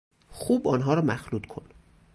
خوب آنها را مخلوط کن